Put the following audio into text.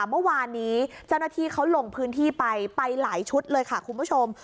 เมื่อวานนี้เจ้าหน้าที่เขาลงพื้นที่ไปไปหลายชุดเลยค่ะคุณผู้ชม